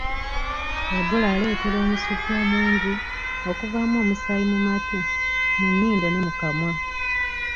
Ebola aleetera omusujja omungi, okuvaamu omusaayi mu matu, mu nnyindo ne mu kamwa.